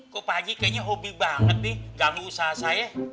kok pagi kayaknya hobi banget nih ganggu usaha saya